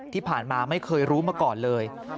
ที่ผ่านมาไม่เคยรู้มาก่อนเลย